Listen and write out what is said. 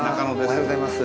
おはようございます。